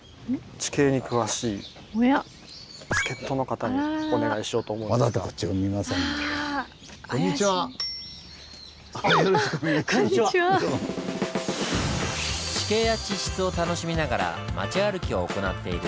地形や地質を楽しみながらまち歩きを行っている真貝さん。